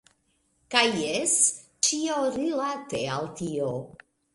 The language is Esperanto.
Kaj jes! Ĉio rilate al tio.